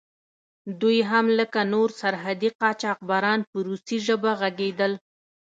دوی هم لکه نور سرحدي قاچاقبران په روسي ژبه غږېدل.